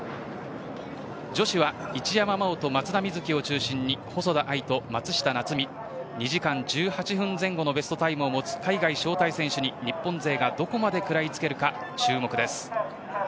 女子は一山麻緒と松田瑞生を中心に細田あい、松下菜摘２時間１８分前後のベストタイムを持つ海外招待選手に日本勢がどこまで食らいつけるか注目です。